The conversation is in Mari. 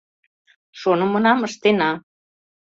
Шонымынам ыштена.